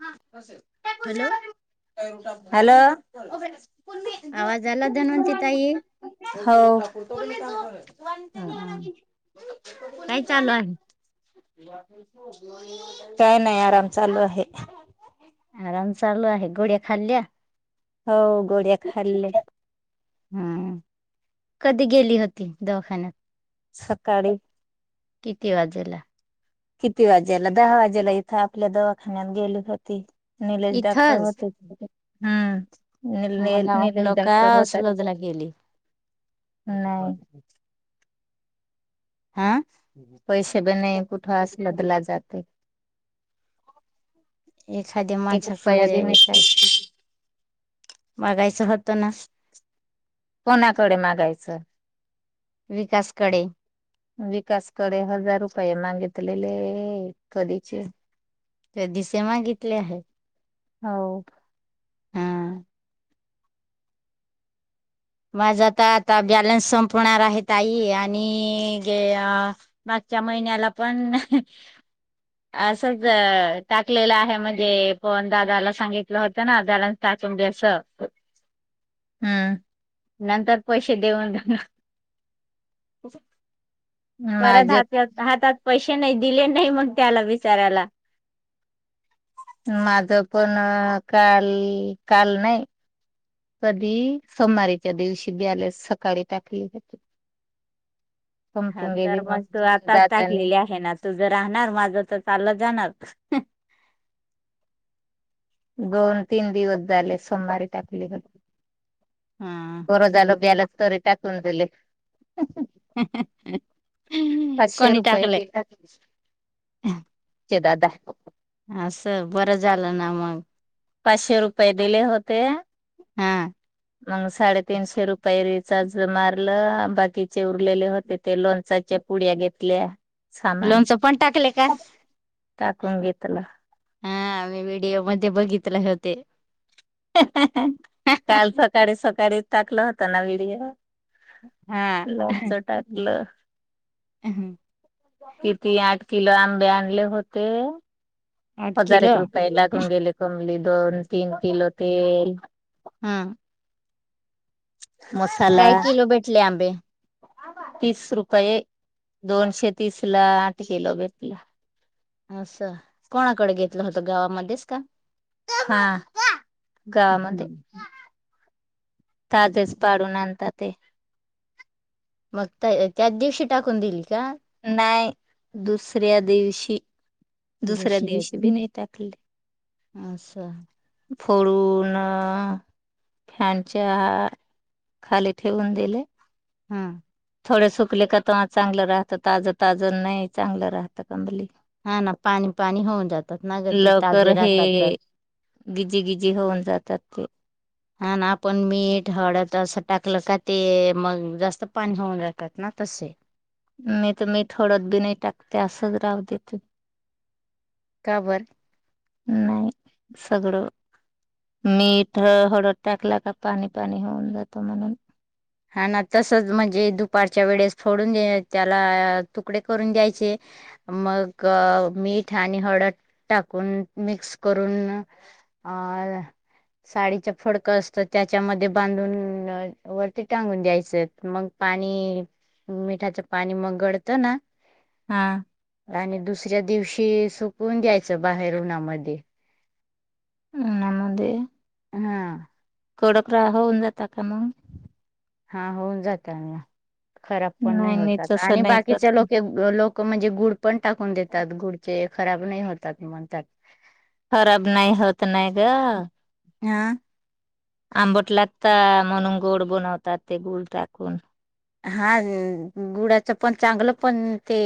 हा असच hello hello हो आवाज आला धनवती ताई हो हा काय चालू आहे काय नाही आराम चालू आहे [inaudible] आराम चालू आहे गोळ्या खाल्ल्या हो गोळ्या खाल्ले हम्म कधी गेली होती दवाखान्यात सकाळी किती वाजेला किती वाज्याला दहा वाजेला इथं आपल्या दवाखान्यात गेली होती निलेश डाक्टर इथंच होते हम्म मला निलेश वाटलं का डाक्टर होतात स्लोदला गेली नाही. हा पैसे ब नाही कुठं बदला जाते. एखाद्या एक रुपया माणसाकडे बी काय. नाही बघायचं होतं ना कोणाकडे मागायचं. विकासकडे विकासकडे हजार रुपये मागित? कलेले कधीच ते दिसे मागितले आहे. हो माझ तर आता बॅलन्स संपवणार आहे आई आणि जे मागच्या महिन्याला पण असच टाकलेलं आहे म्हणजे पण दादाला सांगितलं होतं ना बॅलन्स टाकून द्या असं. हम्म नंतर पैसे देऊन परत माझे हात हातात पैसे. नाही दिले नाही म्हण त्याला विचारायला. माझ पण काल काल नाही कधी सोमारीच्या दिवशी ब्यालास सकाळी टाकली जाते. हा तर मग तू आताच टाकलेली आहे ना तू जर राहणार माझ तर चालच. जाणार गोन तिनी ओद्दले सोमारी टाकली ग. हा बरं झालं बॅलन्स. तरी त्याकून दिले पाचशे कोणी रुपये टाकलं. दिले ते दादा. असं बरं झालं ना मग. पाचशे रुपये दिले होते. हा मग साडेतीीनशे रुपये रिचार्ज मारलं बाकीचे उरलेले होते ते लोणचाच्या पुड्या घेतल्या. सामान लोणचं पण टाकले का? टाकून घेतला हा मी व्हिडिओ मध्ये बघितले होते काल सकाळी सकाळी. टाकलं होता ना व्हिडिओ? हा लबचं टाकलं हम्म किती आठ किलो आंबे आणले होते. आठ हजार किलो एक रुपय लागून गेले कमली! दोन तीन किलो तेल हम्म मसाला काय किलो भेटले आंबे तीस रुपये दोनशे तीस ला आठ किलो भेटला असं कोणाकडे घेतलं होतं गावामध्येच का हा गावामध्ये हम्म ताजेच पाडून आणता ते मग त्या अं त्याच दिवशी टाकून दिली का नाही दुसऱ्या दिवशी दुसऱ्या दिवशी भी नाही टाकले आसं फोडून अं फॅनच्या खाली ठेवून दिले हम्म थोडे सुकले क तमा चांगलं राहतं ताजं ताजं नाही चांगलं राहतं कंबली हा ना पाणी पाणी होऊन जातात ना ग ते लवकर ताजे हे राहतात तर गिजीगिजी होऊन जातात ते हा ना पण मीठ हळद अस टाकलं का ते मग जास्त पाणी होऊन राहातात ना तसे मी तर मी थोडत बी नाही त्यात ते असंच राहु देते का बरं नाही सगळं मीठ अं हळद टाकला का पाणी पाणी होऊन जातो म्हणून हा ना तसच म्हणजे दुपारच्या वेळेस फोडून अं त्याला तुकडे करून द्यायचे मग मीठ आणि हळद टाकून मिक्स करून अं साडीचं फडक असतं त्याच्यामध्ये बांधून वट ते टांगून द्यायचं मग पाणी मिठाचं पाणी मग गळतं ना हा आणि दुसर दुसऱ्या दिवशी सुकून द्यायचं बाहेर उन्हामध्ये आंगणामध्ये हा. कडक रा होऊन जाता का मग हा होऊन जात खराब पण नाही होतात तसं आणि नाही बाकीच्या करत लोके लोक म्हणजे गुड पण टाकून देतात गुडचे खराब नाही होतात म्हणतात. खराब नाही होत नाही गं हा आंबट लागता म्हणून गोड बनवतात ते गुळ टाकून हा अं गुडाच पण चांगलं पण ते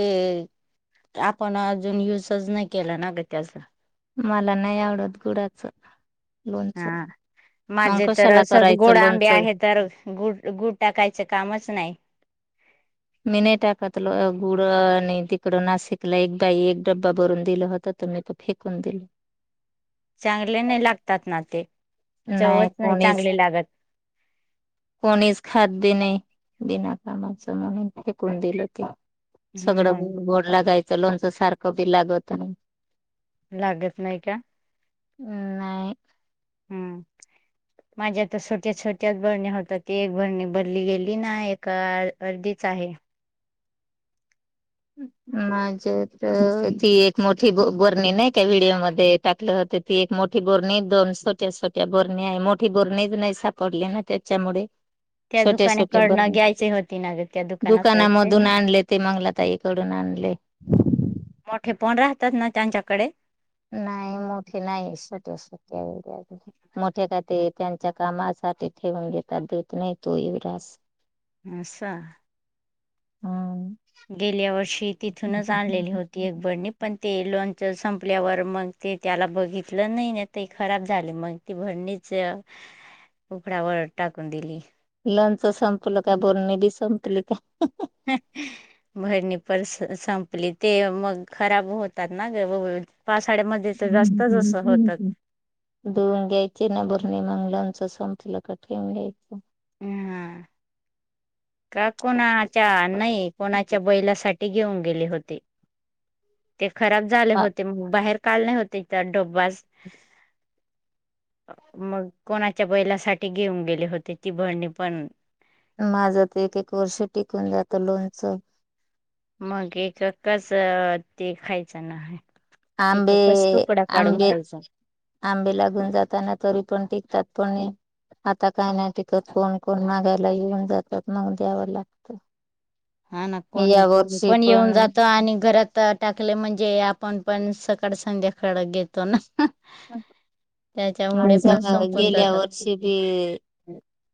आपण अजून युजच नाही केला ना गं ते आस मला नाही आवडत गुडाच हा माझे तर असच करायचं गोड आंबे लोणचं आहे तर गुड गुड टाकायचं कामच नाही. मी नाही टाकतल गुड आणि तिकडं नाशिकला एक बाई एक डब्बा भरून दिलं होत तर मी फेकून दिलं. चांगले नाही लागतात ना ते नाही चवच कोणीच चांगले लागत कोणीच खातबी नायी बिना कामाचं म्हणून फेकून दिलं ते सगळं मग गोड लागायचं. च लोणचं सारखं बी लागत नाही. लागत नाही का नाही. हम्म माझ्या आता छोट्या छोट्या बरणी होतात ती एक भरणी भरली गेली ना ए अर्धीच आहे. माझे ती एक मोठी बरणी नाही का व्हिडिओम त्या दुकानाकडनं घ्यायची होती ना ग त्या दुकानात असते ना तोडून आणले. मोठे पण राहतात ना त्यांच्याकडे नाही मोठे नाही सट्याट मोठे काट त्यांच्या कामासाठी ठेवून घेतात देत नाही तो युवराज आसा हम् गेल्या वर्षी तिथूनच आणलेली होती एक बरनी पण ते लोणच संपल्यावर मग ते त्याला बघितलं नाही ते खराब झाले मग ती भरणीच उकडावर टाकून दिली. लोंच संपलं काय बोलणी बी संपली काय भरणी पण संपली ते मग खराब होतात ना ग पावसाळ्यामध्ये तर जास्तच असं होतात धुऊन घ्यायची ना बरणी मंगलमच सांला काो [unintelligible] हम हा का कोणाच्या नाही कोणाच्या बैलासाठी घेऊन गेले होते. ते खराब झाले होते बाहेर काल नाही होते तर डोब्बाज. मग कोणाच्या बैलासाठी घेऊन गेले होते? ती बरणी पण. माझं ते एक एक वर्ष टिकून जातं लोणचं मग एक कसं ते खायचं ना आहे. आंबे, आंबे, आंबे लागून जाताना तरी पण टिकतात पण नी आता का नाही टिकत. कोण कोण मागायला येऊन जातात मग द्यावं लागत. हा ना, कोणी -कोणी पण येऊन जात, आणि घरात टाकले म्हणजे कोण पण सकाळ संध्याकाळ घेतो ना. त्याच्यामुळे पण स संपून गेल्या जातात वर्षी बी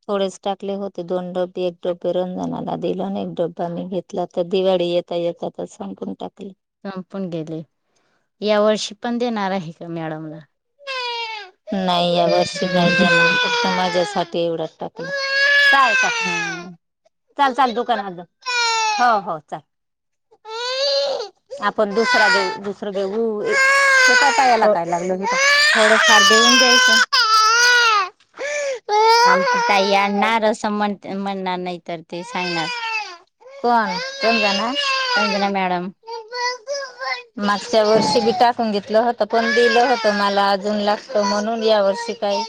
थोडेच टाकले होते. दोन ड एक डबा [unintelligible] दिल ना एक डब्बा मी घेतला तर दिवाळी येता येत तर संपून टाकली. संपून गेले. या वर्षी पण देणार आहे का? मॅडमला. नाही या वर्षी नाही जमणार, फक्त मला साठी [inaudible] एवढंच टाकलं. चाल ह ह ह. चाल, चाल दुकानात जाऊ हो हो चाल. आपण दुसरा देऊ, दुसरं देऊ पायाला काय लागलं बेटा? थोडं फार देऊन घ्यायचं. आमची ताई पाय आणणार. असं म्हण म्हणणार नाही तर ते सांगणार. [unintelligible] कोण जाणार? समज ना मॅडम मागच्या बर्षी [inaudible] सगितलं होतं, पण दिलं होतं, मला अजून लागतं म्हणून या वर्षी काही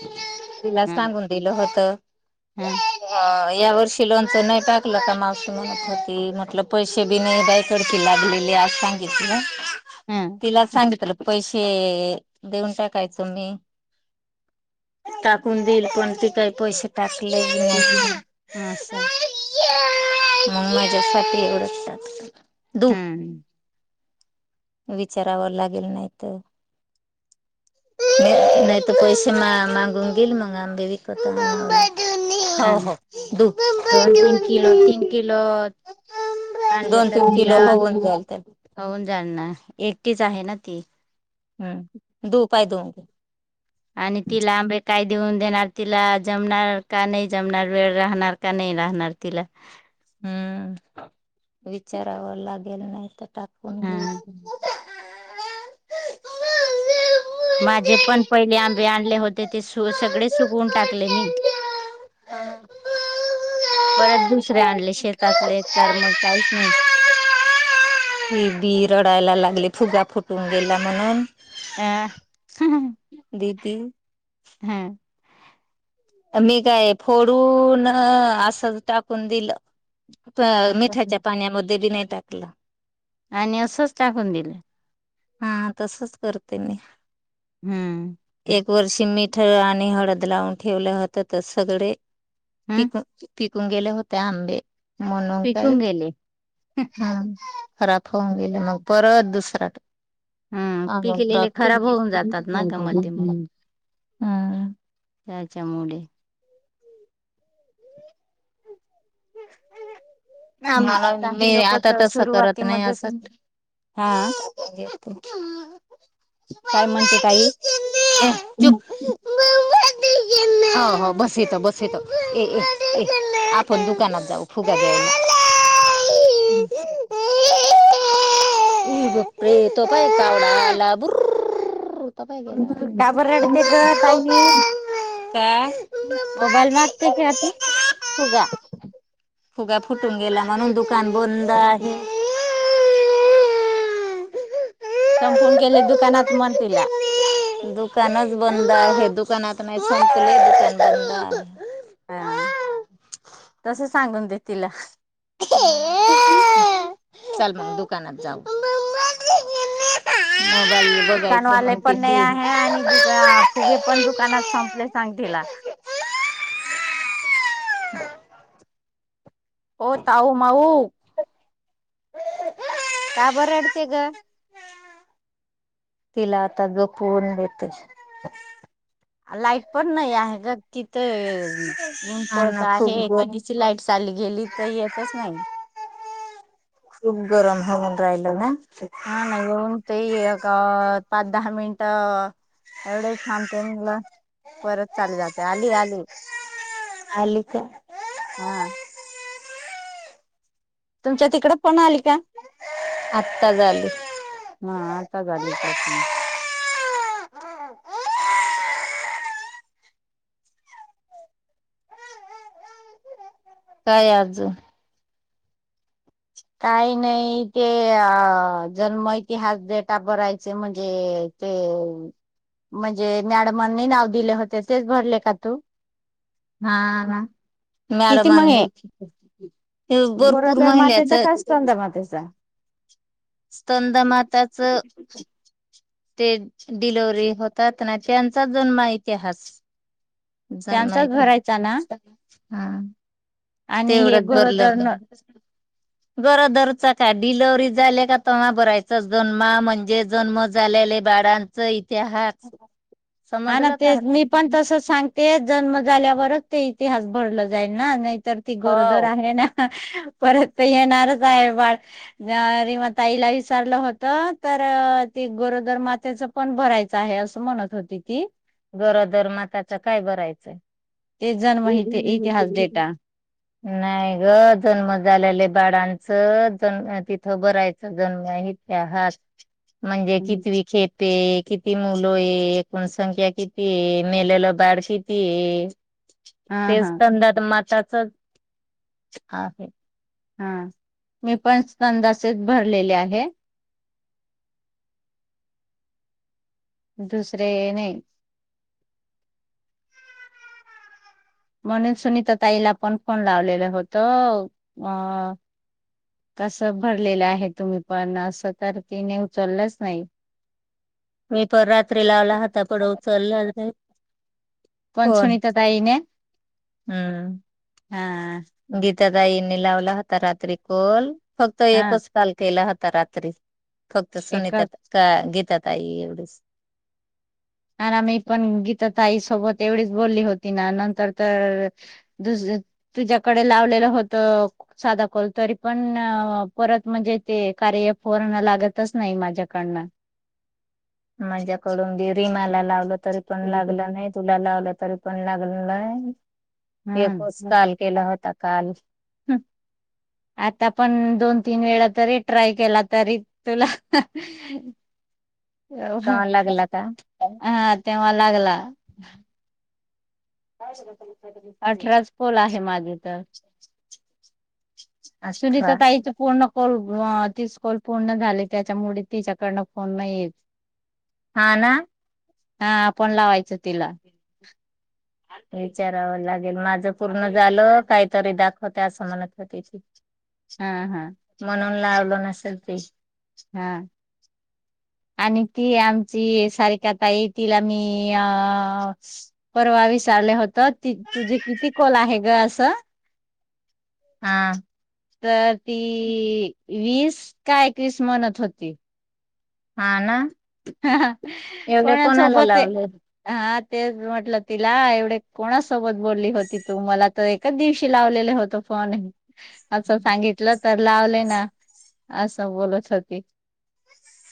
तिला ह सांगून दिलं होतं. ह हूं या वर्षी लोन ते नाही टाकलं तर [inaudible] म्हणत होते म्हटलं पैसे बी नाही बाई कड लागलेले अस सांगितल. ह तिला सांगितलं पैसेे देऊन टाकायचो मी. टाकून देईल पण ती काही पैसे टाक [unintelligible] हा म्हणून माझ्यासाठी एवढाच [inaudible] [unintelligible] हम्म विचाराव लागेल नाहीतर, नाहीतर पैसे मागून घेईल मग आंबे विकत अ हो हो दू दोन -तीन किलो, तीन किलो आणले दोन तर तीन तिला किलो होऊन जाईल त्याला होऊन जाईल ना. एकटीच आहे ना ती. हम्म धूप.. पाय धू. आणि तीला आंबे काय देऊन- देणार तिला जमणार का नाही जमणार वेळ राहणार का नाही राहणार तिला हम्म विचाराव लागेलं नाही तर तात्पुरते हा माझे पण पहिले आंबे आणले होते ते सगळे सुगवून टाकले मी परत दुसरे आणले शेतातले तर मग काहीच नाही ही पण रडायला लागली फुगा फुटून गेला म्हणून अ दीदी हम्म मी काय फोडून असं टाकून दिलं असं मिठाच्या पाण्यामध्ये बी नाही टाकला आणि असंच टाकून दिलं हा तसच करते मी हम्म एक वर्षी मीठ आणि हळद लावून ठेवलं होत सगळे ती हम् पण टिकून गेले होते आंबे म्हणून पिकून काही गेले ह खराब होऊन गेल मग परत दुसरा हा आंबा पिकलेले खराब टाकला होऊन जातात ना का मध्ये म हम् त्याच्या मुडे हम् मला मी आता तस करत नाही अस सुरुवातीमध्येच हा ए काय म्हणते ताई? चूप हो हो बस येत बस येत ए ए ए आपण दुकानात जाऊ फुगा घ्यायला हम्म ए गपे तो पाय कावळा आला भुरररर तो पाय गेला का बर रडते ग ताई? का मोबाईल मागते का ती फुगा फुगा फुटून गेला म्हणून दुकान बंद आहे संपून गेले दुकानात म्हण तिला दुकानच बंद आहे दुकानात नाही संपले दुकान बंद आहे हा तस सांगून दे तिला ह चल मग दुकानात जाऊ बघायचं दुकानवाले मग पण नाही किती आहे आणि दुका फुगे पण दुकानात संपले सांग तिला ह ओ ताऊ माऊ [inaudible] का बर रडते ग तिला आता जोपवून देते लाईट पण नाही आहे ग तिथ ऊन पडत अन्न खूप आहे ग कधीची लाईट चाली गेली तर येतच नाही खूप गरम होऊन राहिल ना [unintelligible] क अ अ पाच दहा मिनिट एवढेच थांबऊन परत चाले जाते आली आली अलीच हा तुमच्या तिकड पण अलत्या आत्ता झाली आत्ता झाली काय आज काही नाही ते अ जन्म इतिहास डेटा भरायचे म्हणजे ते म्हणजे मॅडमांनी नाव दिले होते तेच भरले का तू हा, हा मॅडम किती मग हे? भरपूर महिल्याचं कस मातसा स्कंदमाताचं ते डिलीव्हरी होतात ना, त्यांचा जन्म इतिहास जान नाई त्यांचाच भरायचा ना? हा. आणि हे तेवढंच गरोदर भरलं न गरोदरचा काय डिलेव्हरी झाले का, तेव्हा भरायचा जन्मा म्हणजे जन्म झालेले बाळासहीत हा ना, का तेच मी पण तसेच सांगते जन्म झाल्यावरच ते इतिहास भरला जाईल ना? नाही तर ती गोरोदर हो आहे ना? परत तर येणारच आहे बाळ. म्या रिमाताईला विचारलं होतं, तर ते गरोदर मातेचे पण भरायचं - आहे असं म्हणत होती की गरोदरमाताच काय भरायचंय? ते जन्म इति- इतिहास डेटा नाही ग जन्म झालेले बाळां जन्म तिथं बरायचा जन्म इथे हात म्हणजे हम्म. किती खेत ते किती मुलं आहे एकूणसंख्या तिती मेलेला बड श त हा हा तेच त्यांंदात माता स ह आहे हा. मी पण स्ंदासेत भरलेले आहे दुसरेऽऽ नई म्हणून, सुनीता ताईला, पण फोन लावलेलं होतं अ, आ.. कसं भरलेलं आहे तुम्ही पण? असं तर तिने उचललंच नाही. मी पण रात्री लावला हता. पण उचलला नाही... कोण फोन. सुनीता ताईने हा हम्म गे [unintelligible] त्या ताईने, लावला होता रात्री कोल - फक्त हा एकच कॉल केला. [unintelligible] त्या रात्री - फक्त सुनीता एकच का गी [unintelligible] त्या ताई, एवढंच- आणि मी पण गीता ताई सोबत एवढीच बोलली होती. ना नंतर तर दुस तुझ्याकडे लावलेलं होतं. साध कॉल तरी पण परत म्हणजे ते कार्य फोन लागतच नाही. माझ्याकडन. माझ्याकडून- मी रिमाला लावला तरी पण लागला हम्म. नाहीं. तुला लावला तरी पण लाग- [unintelligible] एकच काल केला होता काल. [inaudible] आता पण दोन, तीन, वेळा तरी ट्राय केला तरी तुला. [unintelligible] हम्म तवा लागला का? हाह तेव्हा लागला, आणू शकाल का? अठराच कॉल आहे माझे तर अठरा सुनीता ताईच पूर्ण कॉल तीस कॉल पूर्ण झाली त्याच्यामुळे तिच्याकडनं फोन नाही येत. हा ना हा आपण लावायचं तिला. विचारावं लागेल माझं पूर्ण झालं. काहीतरी दाखवते असं होती ती. हा हा म्हणून लावलं नसेल ते [unintelligible] हा आणि ती आमची सारीकाताई तिला मी अअ परवा विचारले होत तुझे किती कॉल आहे ग? असं, हा तर ती वीस का एकवीस म्हणत होती, हा.. ना.. हां हां एवढे कोणा कोणाला सोबत लावले हा ते म्हटलं तिला एवढे कोणासोबत बोलली होती? तू मला तर एकच दिवशी लावलेले होत फोन असं सांगितलं तर लावले ना असं बोलत होती.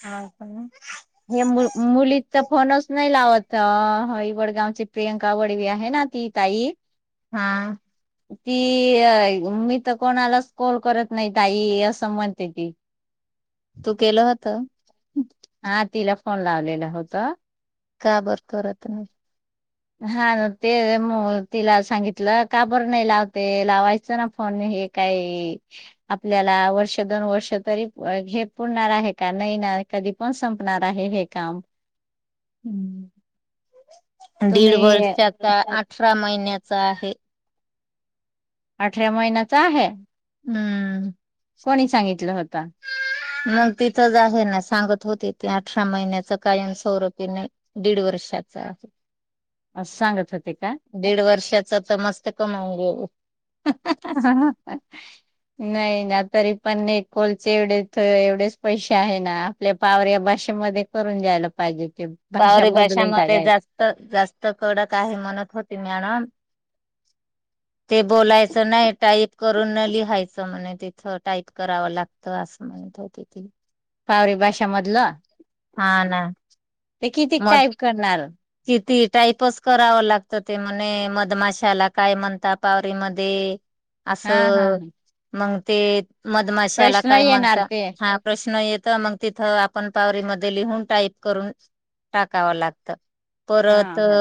हा का? हे मु मुली तर फोनच नाही लावत वडगावची प्रियंका वडवी आहे ना ती ताई, हा ती मी तर कोणालाच कॉल करत नाही ताई असं म्हणते ती तू केलं [inaudible] हा तिला फोन लावलेला होता. काय बर करत नाही हा ते मी तिला सांगितलं काबर नाही लावते, लावायचं ना फोन हे काही आपल्याला वर्ष दोन वर्ष तरी हे पुरणार आहे का नाही ना कधी पण संपणार आहे हे काम हम् दीड तुम्ही वर्षाचा अठरा महिन्याचा आहे. अठरा महिन्याचा आहे. हम्म कोणी सांगितलं होतं? मग तिथंच आहे ना सांगत होती, ते अठरा महिन्याच कायमस्वरूपी नाही दीड वर्षाचा असं सांगत होते का दीड वर्षाच तर मस्त कमावून गेल. हा हा नाही ना तरी पण एक कोलचे एवढे एवढेच पैसे आहे ना, आपल्या पावर या भाषेमध्ये करून जायला पाहिजेत. पावरी भाषामध्ये जास्त जास्त कडक आहे. म्हणत होती मॅडम ते बोलायचं नाही टाईप करून लिहायचं म्हणे तिथं टाईप करावं लागत असं म्हणत तिथ पावरी भाषामधलं हा ना ते किती टाईप करणार टायपस करावं लागतं ते म्हणे मधमाशाला काय म्हणता? पावररी म हा हा असं ह मंग ते मधमाशाला प्रश्न काय येणार म्हणता? ते हा प्रश्न येत मग तिथं आपण पावरीमध्ये लिहून टाईप करून टाकावं लागतं. हा परत, हा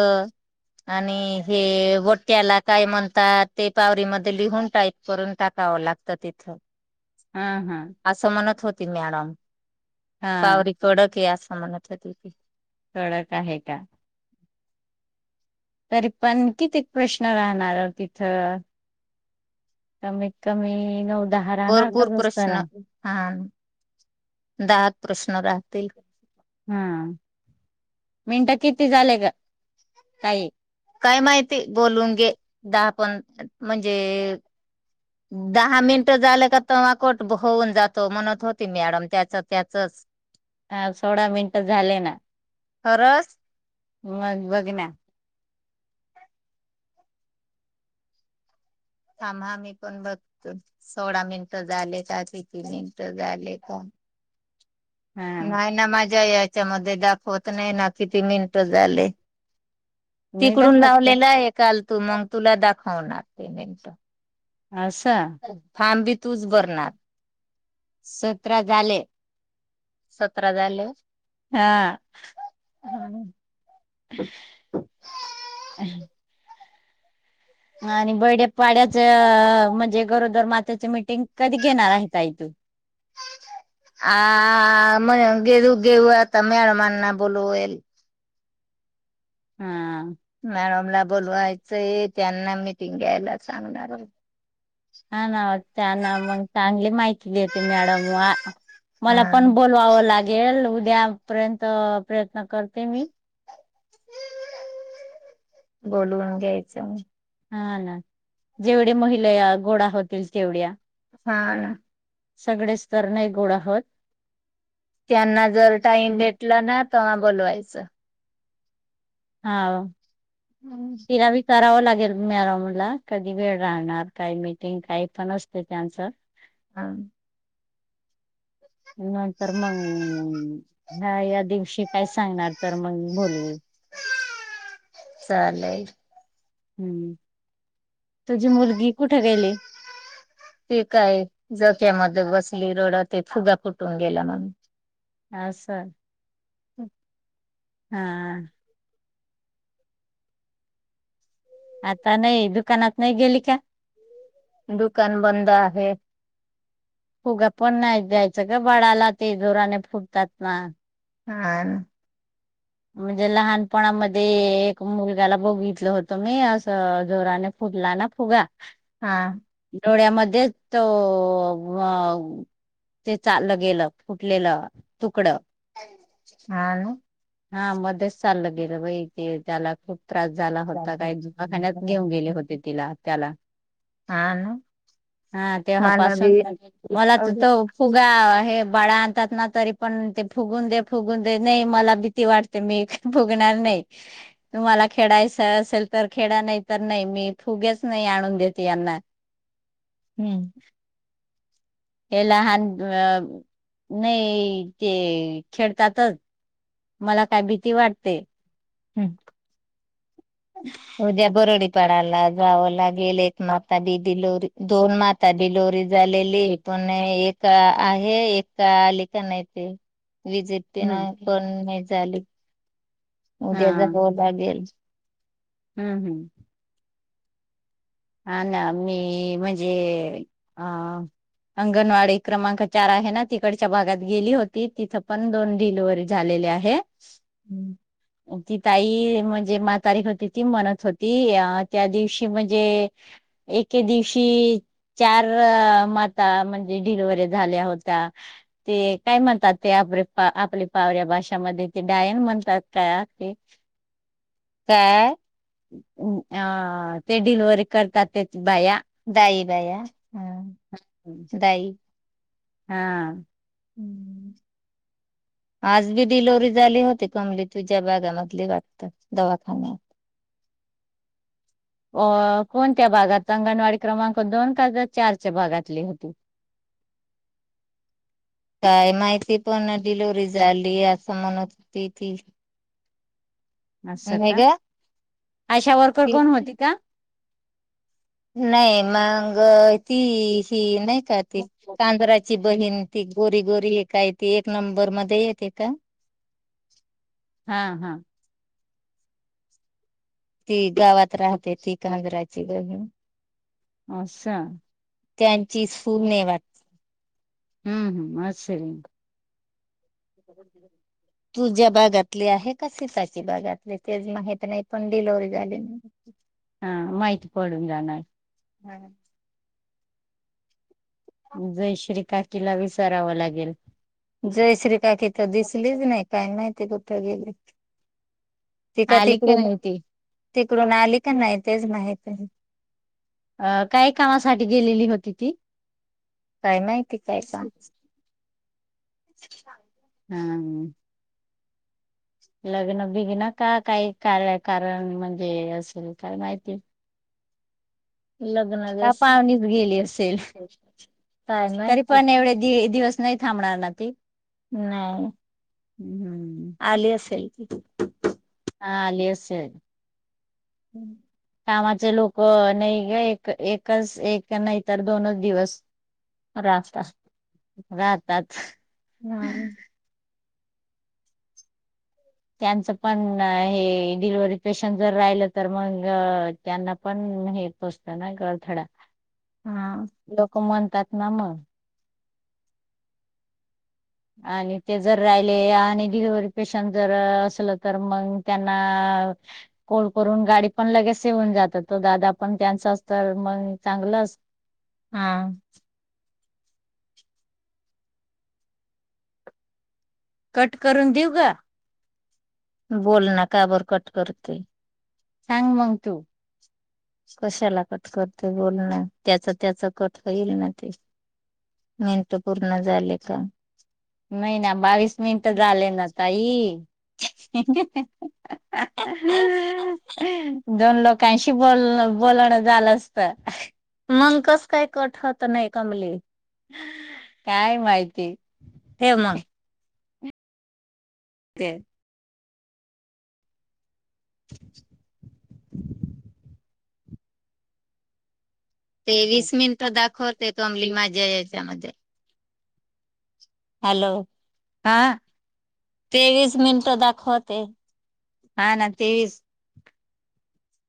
आणि हे बटट्याला काय म्हणतात, ते पावररीमध्ये लिहून टाईप करून टाकावं लागतं. तिथं हा हा असं म्हणत होत. ती मॅडम हा पावरी कडक हेस म्हणत होती ती कडक आहे का? तरी पण किती प्रश्न राहणार तिथ, कमीत कमी न बोरपूर प्रश्न आ दात ह. मिनट किती झाले ग? काय? काय माहिती? बोलून घे, दा पण. म्हणजे? ह. सोळा मिनट झाले ना. खरस. मग बघ ना. थाम्हा. आम्ही मी पण बघतो, सोळा मिनिटं झाले का किती मिनिटं झाले का? हा नाही ना, मजा या त्याच्यामध्ये दाखवत नाही ना, किती मिनट झाले? नाही तिकडून दाखवत का लावलेला आहे. काल तू मग तुला दाख होणार पेमेंट. असं. भरणार सतरा झाले. सतरा झाले. हा. हा. अ् [unintelligible] हं. आणि बर्डे पाड्याच म्हणजे गरोदर मातेच मिटिंग कधी घेणार आहे ताई तू? म घेवू घेवू आता मॅडमना ना बोलवू हा. मॅडमला बोलवायचं त्यांना मीटिंग घ्यायला सांगणार. हा ना. त्यांना मग चांगली माहिती देते, मॅडम वा मला हा. पण बोलवावं लागेल त्या पर्यंत प्रयत्न करते मी. बोलवून घ्यायचं. हा ना. जेवढी महिलया गोडा होतील तेवढ्या. हा ना. सगळे सं तर नाही गोडा होत. त्यांना जर टाईम भेटला ना तवा बोलवायचं. हा. तिला भी कराव लागेल. मॅडमला कधी वेळ राहणार, काही मिटिंग काही पण असते त्यांचं. ह. नंतर मंग ह ह्या या दिवशी काय सांगणार तर मंग बोलं चालेल. हम्म. तुझी मुलगी कुठे गेली? हे, काय झोक्यामध्ये बसली, रडती फुगा फूटून गेला म्हणून. आस. हम्म. हा... आता नाही दुकानात नाही गेली का? दुकान बंद आहे. फुगा पण नाही द्यायचं ग बाळाला ते जोराने फुटतात ना! हा.. म्हणजे लहानपणामध्ये एक मुलग्याला बघितलं होतं मी असं जोराने फुटला ना फुगा! हा. डोळ्यामध्येच तो, अ ते चाललं गेलं फुटलेलं तुकडं. हा ना. हा मध्येच चाललं गेलं बई ते त्याला खूप त्रास झाला होता काय दवाखान्यात घेऊन गेले होते तिला. त्याला. हा ना हा मला तेव्हापासून बी मला तर, अग तो फुगा हे बाळा आणतात ना तरी पण ते फुगवून दे फुगवून दे नाही मला तें किती वाटते मी फुगणार नाही तुम्हाला खेळायच असेल तर खे ळा नाही तर नाही मी फुगेच नाही आणून देते यांना. हम्म- हे लहान अ नाही ते खेळतातच. मला काय भीती वाटते. हं. उद्या [unintelligible] बारा ला जावं लागेल एक माता ची डिलिवरी दोन माता डिलिवरी झालेली पण एक आहे, एक आली का नाही ते. व्हिजिट ती न हम्म. आपन.. झाली. हा उद्या जावं लागेल. हम्म हम्म हा ना मी म्हणजे अंगणवाडी क्रमांक चार आहे ना तिकडच्या भागात गेली होती तिथ पण दोन डिलिवरी झालेले आहे. रिकामा ऑडिओ ती ताई म्हणजे म्हातारी होती ती म्हणत होती अ त्या दिवशी म्हणजे... एके दिवशी चार माता म्हणजे डिलिव्हरी झाल्या होत्या ते काय म्हणतात आपल्या पावऱ्या भाषामध्ये ते डायन म्हणतात का ते. काय? अ तें [unintelligible] करतात. बाया दाई बा हं दाई. हा. आज बी डिलवरी झाली होती कमली तुझ्या भागामधली वाटत दवाखान्यात. अ कोणत्या भागात अंगणवाडी क्रमांक दोन का चारच्या भागातली होती? काय माहिती पण डिलिव्हरी झाली असं म्हणत होती ती. अस नाही का? आशा वर्कर कोण ग होती का? नाही मग ती ही कां ती [unintelligible] बहीण ती गोरी गोरी एक काय ते एक नंबर मध्ये येते का? हा हा. ती गावात राहते ती कागराची बहीण. अस. त्यांची सून आहे वाटत. हम्म हम्म असेल. तुझ्या भागातली आहे का [unintelligible] भागातली तेच माहित नाही पण डिलिवरी झाली हा माहित पडून जाणार. हम्म. जयश्री काकीला विसारवं लागेल. जय श्री काकी. दिसलीच नाही काय माहिती. कुठे गेलेत. ती का आली की तिकडून, नाही ती तिकडून आली का नाही? तेच माहित आहे. अं काय कामासाठी गेलेली होती ती. काय माहिती काय सांगस. [inaudible] हाम. लग्न बिगन न का काही का कारण म्हणजे असेल काय माहिती. लग्न का जशी पाहणीच गेली असेल, काय तरी माहिती पण एवढे दि दिवस नई थांबणार ना ती. नाही. हम्म आली [inaudible] हा आली असेल. हम्म. कामाचे लोक नाही ग एक एकच एक नाहीतर दोनच दिवस. [unintelligible] राहताच. नाराज. त्यांचं पण हे डिलिव्ही पेशंट जर राहिलं तर मग त्यांना पण हे पोचत ना ग [unintelligible] लोक मन त्यात ना म. आणि ते जर राहिले आणि डिलिव्हरी पेशंट जर असलं तर मग त्यांना, कोल करून गाडी पण लगेस येऊन जात तो दादा पण त्यांचाच तर मग चांगलंच असं हा. कट करून देऊ ग. बोल ना काबर कट करतय. [unintelligible] मंग तू. कशाला कट करते बोलणं त्याच त्याच कट होईल ना ते, मिनट पूर्ण झाले का? नाही ना बावीस मिनिट झाले ना ताई, दोन लोक [unintelligible] बोलणं झालं असत. मं कस काय कट हत नाही कमले. काय माहिती? ठेव मग ते [inaudible] तेवीस मिनिटं दाखवत. ते दमली माझ्या याच्यामध्ये- हॅलो? आ.. तेवीस मिनटं दाखवते. हा ना तेवीस.